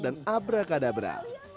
dan abra kadabra